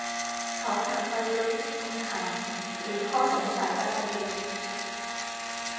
เขาผ่านไปโดยไม่มีคำถามหรืออข้อสงสัยอะไรเลย